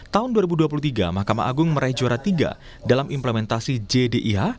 tahun dua ribu dua puluh tiga mahkamah agung meraih juara tiga dalam implementasi jdih